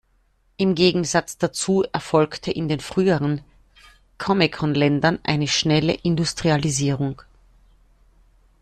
Im Gegensatz dazu erfolgte in den früheren Comecon-Ländern eine schnelle Industrialisierung.